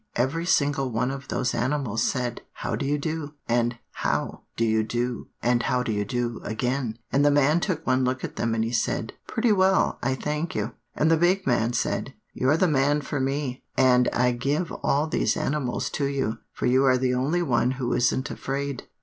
every single one of those animals said, 'How do you do, and how do you do, and how do you do again.' And the man took one look at them and he said, 'Pretty well, I thank you.' "And the big man said, 'You're the man for me; and I give all these animals to you, for you are the only one who isn't afraid.